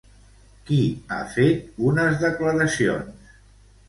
Qui ha fet unes declaracions?